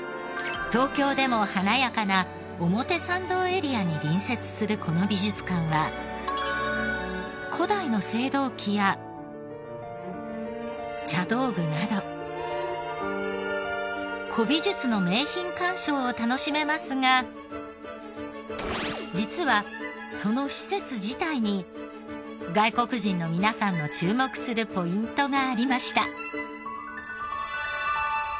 東京でも華やかな表参道エリアに隣接するこの美術館は古代の青銅器や茶道具など古美術の名品鑑賞を楽しめますが実はその施設自体に外国人の皆さんの注目するポイントがありました。